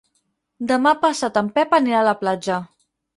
Demà passat en Pep anirà a la platja.